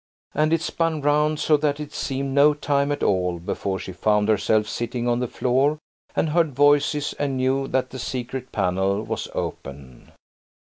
And it spun round so that it seemed no time at all before she found herself sitting on the floor and heard voices, and knew that the secret panel was open.